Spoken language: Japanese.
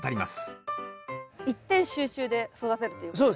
一点集中で育てるということですか？